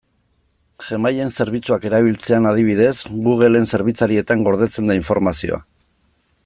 Gmail-en zerbitzuak erabiltzean, adibidez, Google-en zerbitzarietan gordetzen da informazioa.